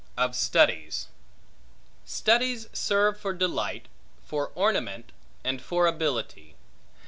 Of Studies STUDIES serve for delight, for ornament, and for ability.